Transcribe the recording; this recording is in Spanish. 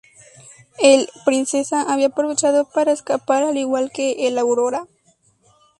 El "Princesa" había aprovechado para escapar al igual que el "Aurora".